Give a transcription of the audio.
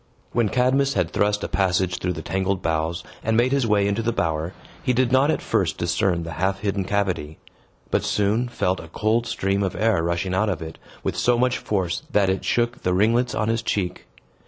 When Cadmus had thrust a passage through the tangled boughs, and made his way into the bower, he did not at first discern the half hidden cavity. But soon he felt a cold stream of air rushing out of it, with so much force that it shook the ringlets on his cheek.